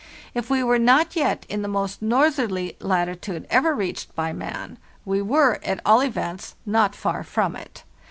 If we were not yet in the most northerly latitude ever reached by man, we were, at all events, not far from it.